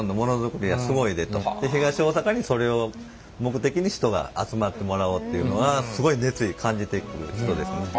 東大阪にそれを目的に人が集まってもらおうっていうのがすごい熱意感じてる人ですね。